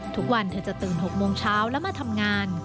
เธอจะตื่น๖โมงเช้าแล้วมาทำงาน